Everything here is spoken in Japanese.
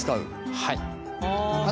はい。